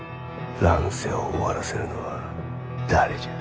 乱世を終わらせるのは誰じゃ。